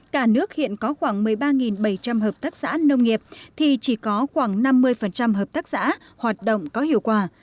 cả nước hiện có khoảng một mươi ba bảy trăm linh hợp tác xã nông nghiệp thì chỉ có khoảng năm mươi hợp tác xã hoạt động có hiệu quả